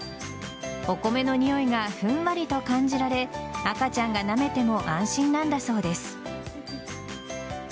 お米のにおいがふんわりと感じられ赤ちゃんがなめても安心なんだそうです。